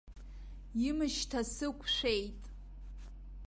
Имышьҭа сықәшәеит.